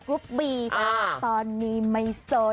อื้อ